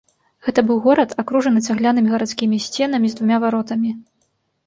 Гэта быў горад, акружаны цаглянымі гарадскімі сценамі з двума варотамі.